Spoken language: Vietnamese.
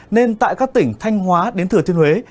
nên tại các tỉnh thanh hóa đến thừa thiên huế